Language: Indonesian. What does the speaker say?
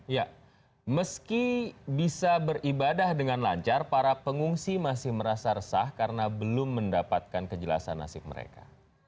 ya meski bisa beribadah dengan lancar para pengungsi masih merasa resah karena belum mendapatkan kejelasan nasib mereka